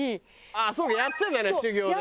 ああそうかやってたね修業で。